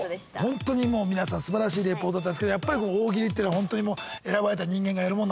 ホントにもう皆さん素晴らしいレポートだったんですけどやっぱり大喜利っていうのはホントにもう。